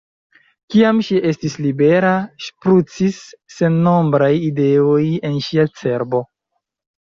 Kiam ŝi estis libera, ŝprucis sennombraj ideoj en ŝia cerbo.